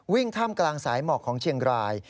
ท่ามกลางสายหมอกของเชียงราย